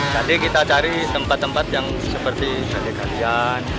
jadi kita cari tempat tempat yang seperti jalur galian